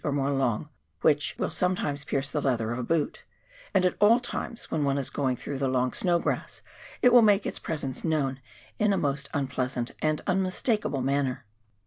or more, long, which will sometimes pierce the leather of a boot, and at all times, when one is going through the long snow grass, it will make its presence known in a most un joleasant and unmistakable manner.